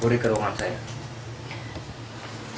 boleh ke ruangan saya